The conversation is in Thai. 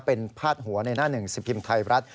เป็นภาพหัวในหน้าหนึ่งหนังสือพิมพ์ไทยรัฐ